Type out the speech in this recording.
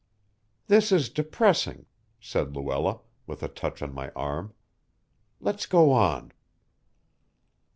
"This is depressing," said Luella, with a touch on my arm. "Let's go on."